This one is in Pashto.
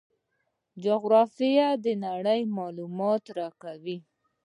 جغرافیه د نړۍ معلومات راکوي.